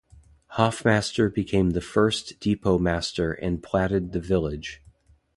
Hoffmaster became the first depot master and platted the village.